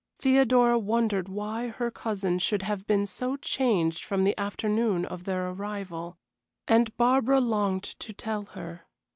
Theodora wondered why her cousin should have been so changed from the afternoon of their arrival. And Barbara longed to tell her.